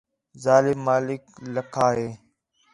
ظالم مالک کِھلّا ہِے